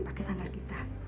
pakai sandar kita